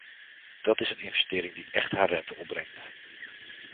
Dat is een investering die echt haar rente opbrengt.